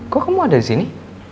kok kamu ada di sini